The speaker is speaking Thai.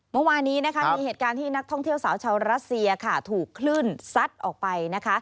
เมื่อวานนี้นะคะมีเหตุการณ์ที่นักท่องเที่ยวสาวชาวรัสเซียค่ะถูกคลื่นซัดออกไปนะคะ